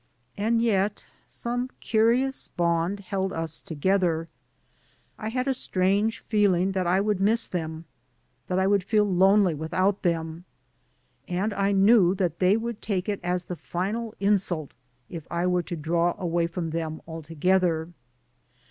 And yet some curious bond held us to gether. I had a strange feeling that I would miss them, that I would feel lonely without them, and I knew that they would take it as the final insult if I were to draw away from them altogether.